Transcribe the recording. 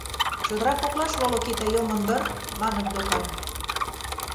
Чодыра коклаш волокита йомын дыр? — маныт докан.